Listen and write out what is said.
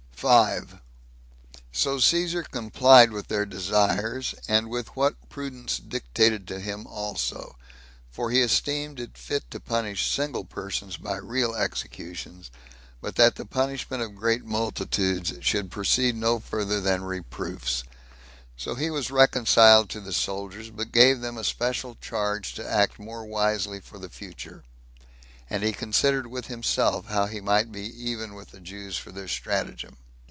5. So Caesar complied with their desires, and with what prudence dictated to him also; for he esteemed it fit to punish single persons by real executions, but that the punishment of great multitudes should proceed no further than reproofs; so he was reconciled to the soldiers, but gave them a special charge to act more wisely for the future; and he considered with himself how he might be even with the Jews for their stratagem.